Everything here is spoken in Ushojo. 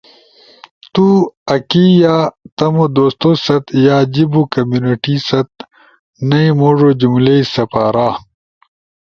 آکی یا تمو دوستو ست یا جیبو کمیونٹی ست نئی موڙو جملئی سپارا۔